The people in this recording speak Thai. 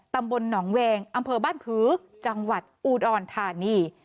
ตำบลหนองแวงอำเภอบ้านผือจังหวัดอุดรธานี